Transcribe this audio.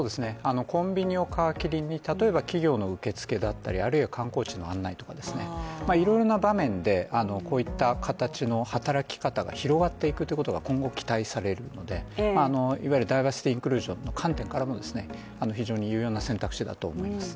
コンビニを皮切りに、例えば企業の受け付けだったり、あるいは観光地の案内とか、いろいろな場面でこういった形の働き方が広がっていくということが今後期待されるので、いわゆるダイバーシティークルージョンの観点からも非常に有用な選択肢だと思います。